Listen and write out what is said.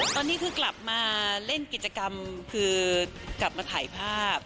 ตอนนี้คือกลับมาเล่นกิจกรรมคือกลับมาถ่ายภาพ